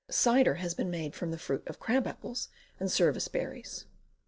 Cider has been made from the fruit of crab apples and service berries.